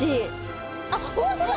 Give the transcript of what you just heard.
あっ本当だ！